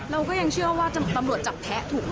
เราก็ยังเชื่อว่าตำรวจจับแพ้ถูกไหม